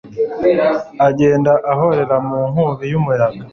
agenda ahorera mu nkubi y'umuyaga